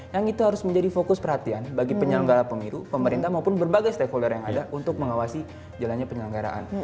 yang itu harus menjadi fokus perhatian bagi penyelenggara pemilu pemerintah maupun berbagai stakeholder yang ada untuk mengawasi jalannya penyelenggaraan